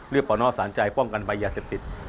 เรียกป่อน้อสารใจป้องกันไปยาเสพติด